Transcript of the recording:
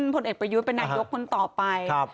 ผลเอกประยุทธ์เป็นนายกคนต่อไป